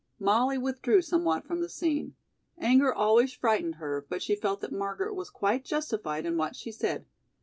Molly withdrew somewhat from the scene. Anger always frightened her, but she felt that Margaret was quite justified in what she said.